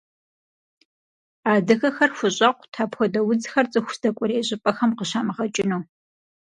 Адыгэхэр хущӏэкъут апхуэдэ удзхэр цӏыху здэкӏуэрей щӏыпӏэхэм къыщамыгъэкӏыну.